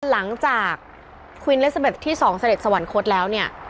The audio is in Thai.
หลังจากควีนเลสเบ็ดที่๒เสด็จสวรรคตแล้วเนี่ย